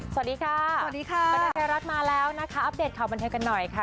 สวัสดีค่ะสวัสดีค่ะบรรเทิงไทยรัฐมาแล้วนะคะอัปเดตข่าวบันเทิงกันหน่อยค่ะ